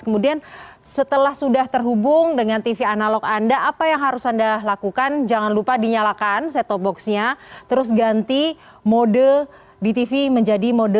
kemudian setelah sudah terhubung dengan tv analog anda apa yang harus anda lakukan jangan lupa dinyalakan set top boxnya terus ganti mode di tv menjadi mode